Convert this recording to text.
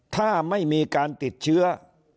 ถ้าไม่มีการติดเชื้อ